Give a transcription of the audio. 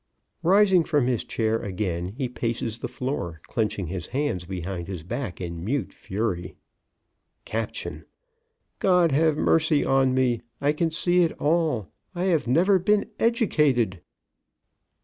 "_) Rising from his chair again, he paces the floor, clenching his hands behind his back in mute fury. Caption: "GOD HAVE MERCY ON ME! I CAN SEE IT ALL I HAVE NEVER BEEN EDUCATED!"